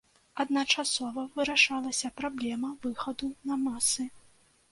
Адначасова вырашалася праблема выхаду на масы.